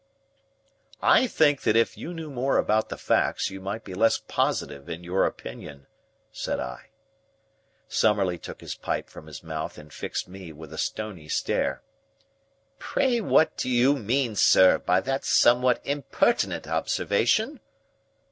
"I think that if you knew more about the facts you might be less positive in your opinion," said I. Summerlee took his pipe from his mouth and fixed me with a stony stare. "Pray what do you mean, sir, by that somewhat impertinent observation?"